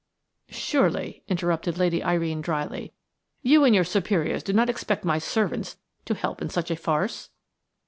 "Surely," interrupted Lady Irene, dryly, "you and your superiors do not expect my servants to help in such a farce?"